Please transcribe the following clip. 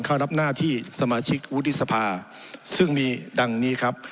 เข้ารับหน้าที่สมาชิกวุฒิสภาซึ่งมีดังนี้ครับ